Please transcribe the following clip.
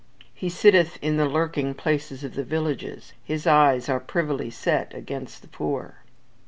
"He sitteth in the lurking places of the villages; his eyes are privily set against the poor."